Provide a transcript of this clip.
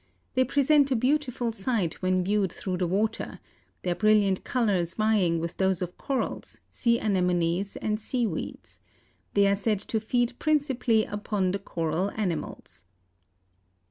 They present a beautiful sight when viewed through the water, their brilliant colors vying with those of corals, sea anemones and sea weeds. They are said to feed principally upon the coral animals.